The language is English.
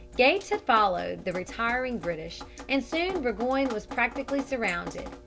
Gates had followed the retiring British, and soon Burgoyne was practically surrounded.